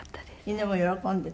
犬も喜んでた？